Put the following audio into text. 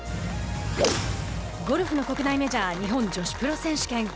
ゴルフの国内メジャー日本女子プロ選手権。